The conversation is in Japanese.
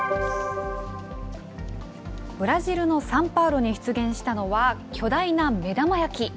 ブラジルのサンパウロに出現したのは巨大な目玉焼き。